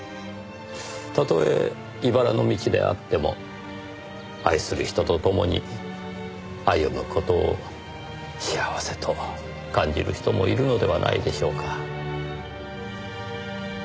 たとえいばらの道であっても愛する人と共に歩む事を幸せと感じる人もいるのではないでしょうか。